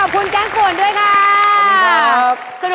อุปกรณ์ทำสวนชนิดใดราคาถูกที่สุด